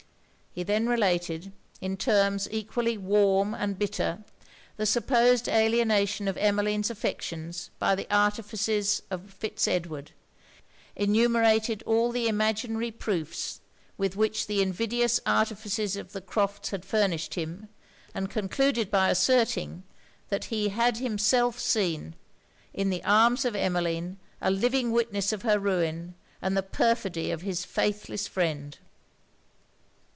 He then related, in terms equally warm and bitter, the supposed alienation of Emmeline's affections by the artifices of Fitz Edward, enumerated all the imaginary proofs with which the invidious artifices of the Crofts' had furnished him, and concluded by asserting, that he had himself seen, in the arms of Emmeline, a living witness of her ruin, and the perfidy of his faithless friend.